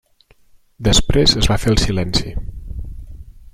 Després es va fer el silenci.